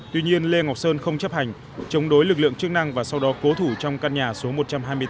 tuy nhiên lê ngọc sơn không chấp hành chống đối lực lượng chức năng và sau đó cố thủ trong căn nhà số một trăm hai mươi tám